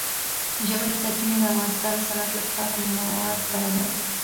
ژورې سرچینې د افغانستان د صنعت لپاره مواد برابروي.